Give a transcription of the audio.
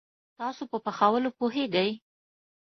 تاسو په پخولوو پوهیږئ؟